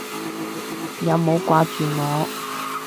有冇掛住我？